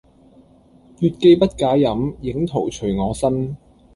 月既不解飲，影徒隨我身